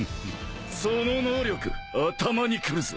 その能力頭にくるぜ。